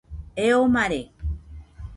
Eo mare